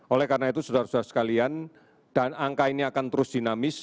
oleh karena itu saudara saudara sekalian dan angka ini akan terus dinamis